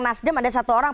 nasdem ada satu orang